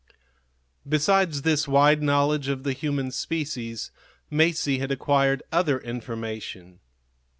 Besides this wide knowledge of the human species, Masie had acquired other information.